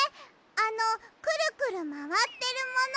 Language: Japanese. あのクルクルまわってるもの。